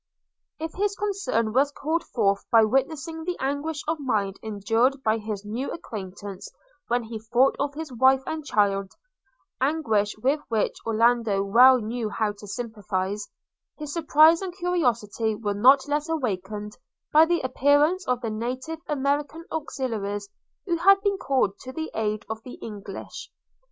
If his concern was called forth by witnessing the anguish of mind endured by his new acquaintance when he thought of his wife and child – anguish with which Orlando well knew how to sympathise – his surprise and curiosity were not less awakened by the appearance of the native American auxiliaries who had been called to the aid of the English.